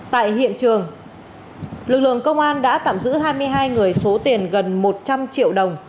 tại hiện trường lực lượng công an đã tạm giữ hai mươi hai người số tiền gần một trăm linh triệu đồng